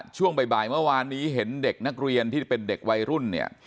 ช่วงบ่ายเมื่อวานนี้เห็นเด็กนักเรียนที่เป็นเด็กวัยรุ่นเนี่ย